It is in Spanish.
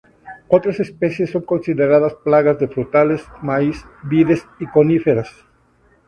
Otras especies son consideradas plagas de frutales, maíz, vides y coníferas.